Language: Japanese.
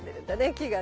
木がね。